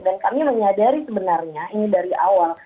dan kami menyadari sebenarnya ini dari awal